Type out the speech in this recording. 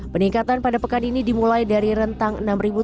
peningkatan pada pekan ini dimulai dari rentang enam tujuh ratus